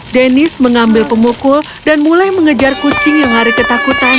denis mengambil pemukul dan mulai mengejar kucing yang hari ketakutan